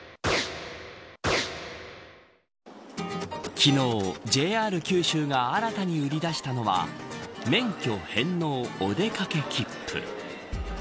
昨日、ＪＲ九州が新たに売り出したのは免許返納おでかけきっぷ。